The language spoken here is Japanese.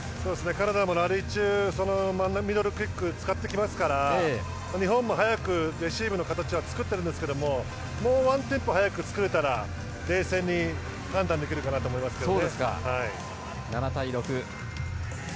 カナダもラリー中ミドルクイック使ってきますから日本も早くレシーブの形は作ってるんですけどもうワンテンポ速く作れたら冷静に判断できるかなと思いますけど。